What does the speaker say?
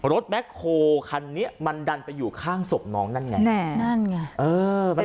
รถแบ็คโฮล์คันนี้มันดันไปอยู่ข้างสมน้องนั่นไง